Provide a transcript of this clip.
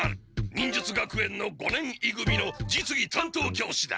忍術学園の五年い組の実技担当教師だ。